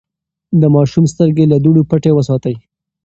د ماشوم سترګې له دوړو پټې وساتئ.